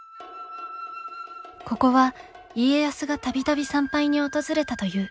ここは家康が度々参拝に訪れたという浜松八幡宮。